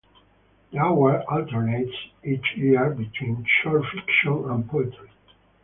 The award alternates each year between short fiction and poetry.